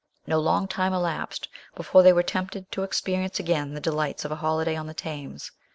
No long time elapsed before they were tempted to experience again the delights of a holiday on the Thames.